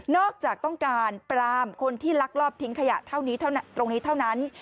จากต้องการปรามคนที่ลักลอบทิ้งขยะเท่านี้ตรงนี้เท่านั้น